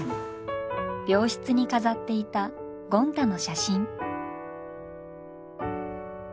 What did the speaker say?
病室に飾っていたゴン太の写真。